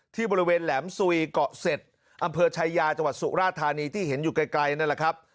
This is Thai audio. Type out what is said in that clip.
ที่บริเวณแหลมสุยเกาะเสร็จอำเภอชายาจังหวัดสุราธานีที่เห็นอยู่ไกลนั่นแหละครับ